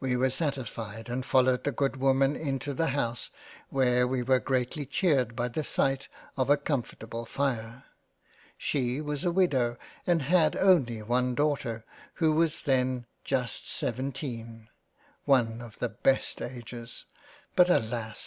We were satisfied and followed the good woman into the House where we were greatly cheered by the sight of a comfortable fire —. She was a Widow and had only one Daughter, who was then just seven teen — One of the best of ages ; but alas